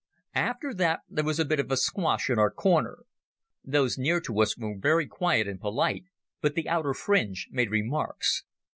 After that there was a bit of a squash in our corner. Those near to us were very quiet and polite, but the outer fringe made remarks.